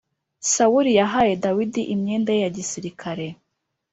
Sawuli yahaye Dawidi imyenda ye ya gisirikare